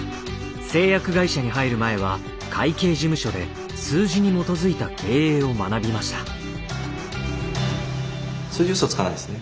製薬会社に入る前は会計事務所で数字に基づいた経営を学びました。